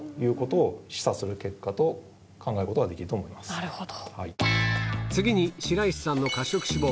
なるほど。